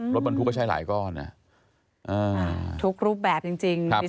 รถบันทุกก็ใช้หลายก้อนอ่ะอ่าทุกรูปแบบจริงจริง